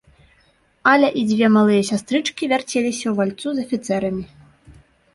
Аля і дзве малыя сястрычкі вярцеліся ў вальцу з афіцэрамі.